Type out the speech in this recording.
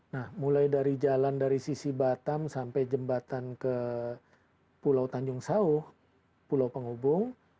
nah mulai dari jalan dari sisi batam sampai jembatan ke pulau tanjung sau pulau penghubung